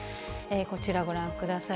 こちら、ご覧ください。